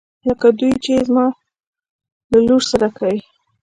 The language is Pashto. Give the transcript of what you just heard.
لکه دوی چې يې زما له لور سره کوي.